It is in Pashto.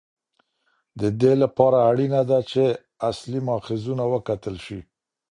د دې لپاره اړینه ده چې اصلي ماخذونه وکتل شي.